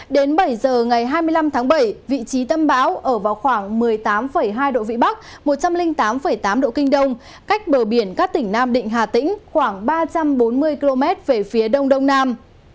đến bảy giờ ngày hai mươi năm tháng bảy vị trí tâm bão ở vào khoảng một mươi tám hai độ vĩ bắc một trăm linh tám tám độ kinh đông cách bờ biển các tỉnh nam định hà tĩnh khoảng ba trăm bốn mươi km về phía đông đông nam